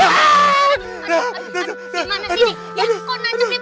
aduh aduh gimana sih nih